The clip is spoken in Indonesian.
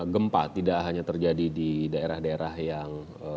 gempa tidak hanya terjadi di daerah daerah yang